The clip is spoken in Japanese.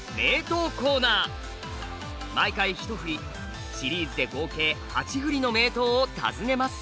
毎回１振りシリーズで合計８振りの名刀を訪ねます。